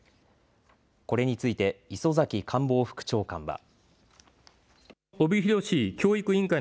これについて磯崎官房副長官は。